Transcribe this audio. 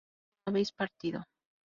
vosotras no habéis partido